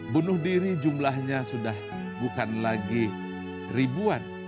bunuh diri jumlahnya sudah bukan lagi ribuan